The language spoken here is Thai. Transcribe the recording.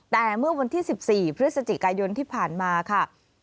แต่เมื่อวันที่๑๔พฤศจิกายนที่ผ่านมาค่ะ